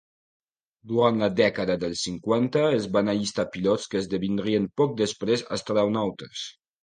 Durant la dècada dels cinquanta es van allistar pilots que esdevindrien poc després astronautes.